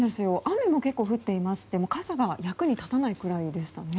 雨も結構、降っていまして傘が役に立たないくらいでしたね。